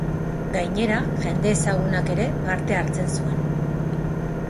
Gainera, jende ezagunak ere parte hartzen zuen.